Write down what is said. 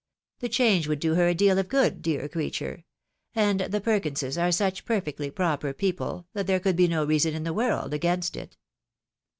The change would do her a deal of good, dear creature ; and the Perkinses are such perfectly proper people, that there could be no reason in the world against it."